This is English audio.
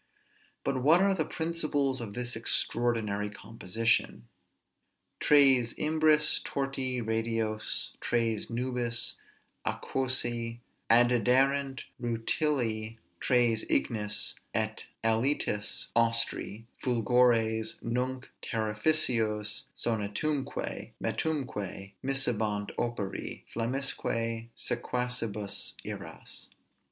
But what are the principles of this extraordinary composition? Tres imbris torti radios, tres nubis aquosæ Addiderant; rutili tres ignis, et alitis austri: Fulgores nunc terrificos, sonitumque, metumque Miscebant operi, flammisque sequacibus iras.